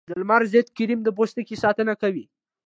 د لمر ضد کریم د پوستکي ساتنه کوي